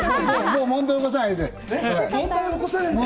もう問題起こさないで。